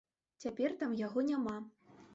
Цяпер там яго няма.